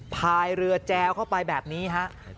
พายเรือแจวเข้าไปแบบนี้ฮะ